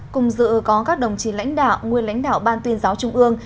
cùng dự có các đồng chí lãnh đạo nguyên lãnh đạo ban tuyên giáo trung ương